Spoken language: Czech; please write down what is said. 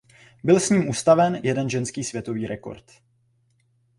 Byl s ním ustaven jeden ženský světový rekord.